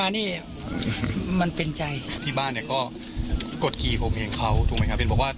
เก็บไว้ในใจอารมณ์ทางเพศเขาบอกว่าเมาแล้วเกิดอารมณ์